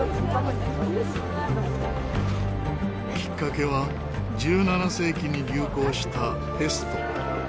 きっかけは１７世紀に流行したペスト。